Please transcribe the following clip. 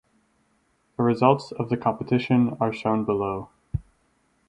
The results of the competition are shown below.